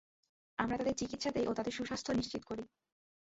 আমরা তাদের চিকিৎসা দেই ও তাদের সুস্বাস্থ্য নিশ্চিত করি।